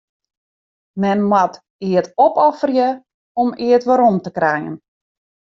Men moat eat opofferje om eat werom te krijen.